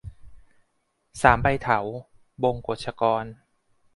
สามใบเถา - บงกชกร